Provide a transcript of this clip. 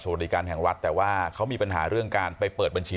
ดิการแห่งรัฐแต่ว่าเขามีปัญหาเรื่องการไปเปิดบัญชี